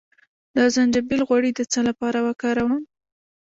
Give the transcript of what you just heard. د زنجبیل غوړي د څه لپاره وکاروم؟